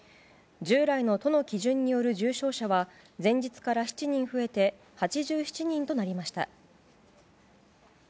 従来の都の基準による重症者は前日から７人増えて８７人となりました。